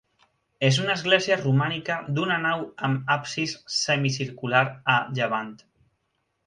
És una església romànica d'una nau amb absis semicircular a llevant.